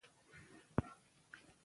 انار د افغانستان د انرژۍ سکتور برخه ده.